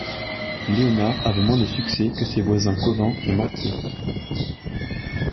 Leonard avait moins de succès que ses voisins Covent & Mortier.